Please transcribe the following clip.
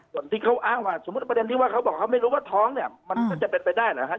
ส่วนที่เขาอ้างว่าสมมุติประเด็นที่ว่าเขาบอกเขาไม่รู้ว่าท้องเนี่ยมันก็จะเป็นไปได้หรือครับ